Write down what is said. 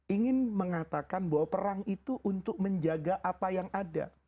ingin mengatakan bahwa perang itu untuk menjaga apa yang ada